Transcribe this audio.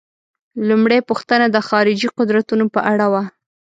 لومړۍ پوښتنه د خارجي قدرتونو په اړه وه.